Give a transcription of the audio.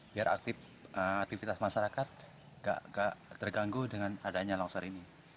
biar aktivitas masyarakat terganggu dengan adanya longsor ini